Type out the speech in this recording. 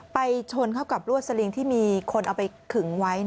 ไปชนเข้ากับรวดสลิงที่มีคนเอาไปขึงไว้